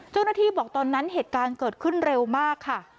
เจ้าหน้าที่บอกตอนนั้นเหตุการณ์เกิดขึ้นเร็วมากค่ะ